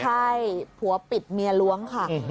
ใช่ผัวปิดเมียล้วงค่ะ